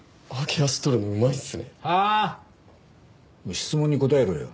質問に答えろよ。